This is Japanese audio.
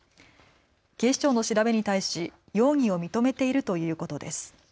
警視庁の調べに対し容疑を認めているということです。